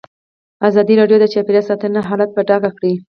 ازادي راډیو د چاپیریال ساتنه حالت په ډاګه کړی.